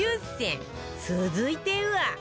続いては